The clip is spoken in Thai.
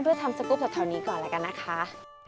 เพื่อทำสกุปกับแถวนี้ก่อนแล้วกันนะคะ